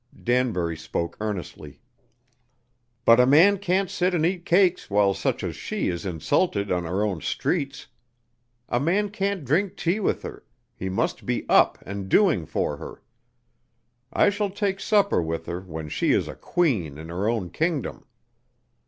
Danbury spoke earnestly. "But a man can't sit and eat cakes while such as she is insulted on her own streets. A man can't drink tea with her he must be up and doing for her. I shall take supper with her when she is a queen in her own kingdom."